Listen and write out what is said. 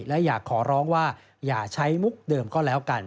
และอยากขอร้องว่าอย่าใช้มุกเดิมก็แล้วกัน